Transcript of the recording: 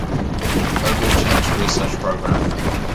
Global Change Research Program.